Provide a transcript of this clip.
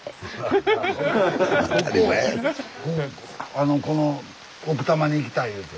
あのこの奥多摩に来たいいうて。